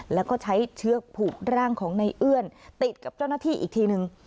แล้วก็ใช้เชือกผูกร่างของในเอื้อนติดกับเจ้าหน้าที่อีกทีนึง